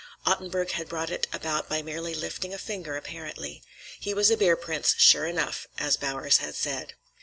Ottenburg had brought it about by merely lifting a finger, apparently. He was a beer prince sure enough, as Bowers had said.